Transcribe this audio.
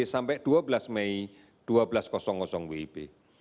sampai dua belas mei seribu dua ratus wib